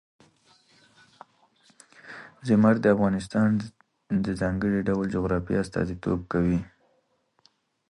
زمرد د افغانستان د ځانګړي ډول جغرافیه استازیتوب کوي.